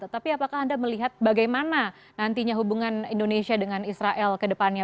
tapi apakah anda melihat bagaimana nantinya hubungan indonesia dengan israel ke depannya